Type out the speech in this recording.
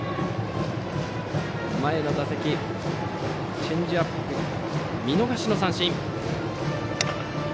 前の打席はチェンジアップ、見逃し三振。